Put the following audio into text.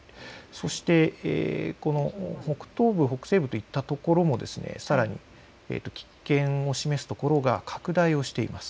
そして、北東部、北西部といったところもさらに危険を示すところが拡大をしています。